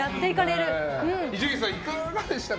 伊集院さん、いかがでしたか？